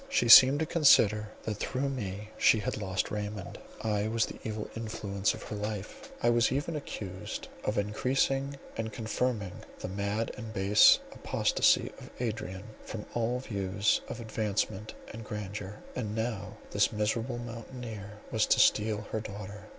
She seemed to consider that through me she had lost Raymond; I was the evil influence of her life; I was even accused of encreasing and confirming the mad and base apostacy of Adrian from all views of advancement and grandeur; and now this miserable mountaineer was to steal her daughter.